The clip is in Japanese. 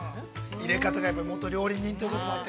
◆入れ方が、元料理人ということもあって、